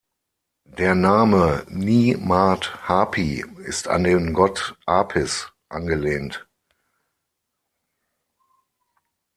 Der Name „Ni-maat-Hapi“ ist an den Gott Apis angelehnt.